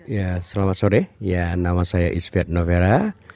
ya selamat sore ya nama saya isbat novera